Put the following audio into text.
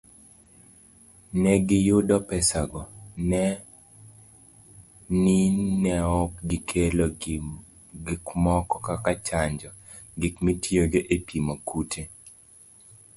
Ne giyudo pesago, ni neok gikelo gikmoko kaka chanjo, gik mitiyogo epimo kute